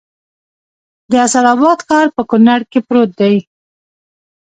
د اسداباد ښار په کونړ کې پروت دی